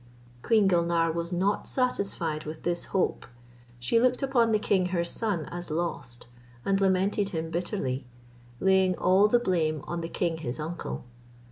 Queen Gulnare was not satisfied with this hope: she looked upon the king her son as lost, and lamented him bitterly, laying all the blame on the king his uncle.